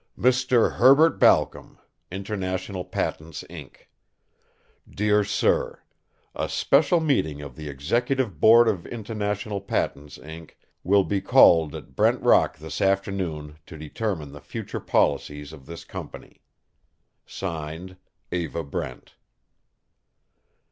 MR. HERBERT BALCOM, International Patents, Inc. DEAR SIR, A special meeting of the executive board of International Patents, Inc., will be called at Brent Rock this afternoon to determine the future policies of this company. [Signed] EVA BRENT.